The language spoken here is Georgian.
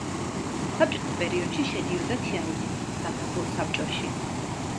საბჭოთა პერიოდში შედიოდა თიანეთის სადაბო საბჭოში.